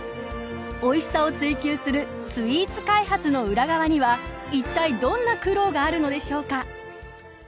おいしさを追求するスイーツ開発の裏側にはいったい、どんな苦労があるのでしょうか。